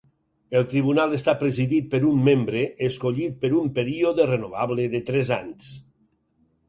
El tribunal està presidit per un membre, escollit per un període renovable de tres anys.